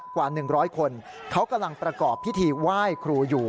กว่า๑๐๐คนเขากำลังประกอบพิธีไหว้ครูอยู่